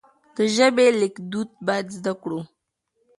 د ژبې ليکدود بايد زده کړو.